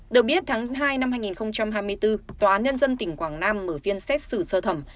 được biết tháng hai năm hai nghìn hai mươi bốn tòa án nhân dân tỉnh quảng nam mở phiên xét xử sơ thẩm